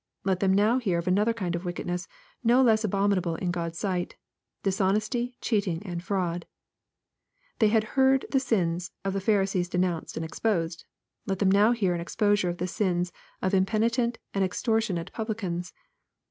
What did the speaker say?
Let them now hear of another kind of wickedness no less abominable in God's sight, dishonesty, cheating, and fraud. — ^They had heard the sins of Pharisees denounced and exposed. Let them now hear an exposure of the sins of impenitent and extortionate publicans.